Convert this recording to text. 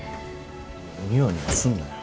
ニヤニヤすんなや。